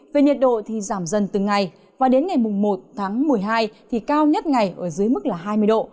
về nhiệt độ thì giảm dần từng ngày và đến ngày một tháng một mươi hai thì cao nhất ngày ở dưới mức là hai mươi độ